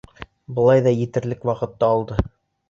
Былай ҙа етерлек ваҡытты алдың.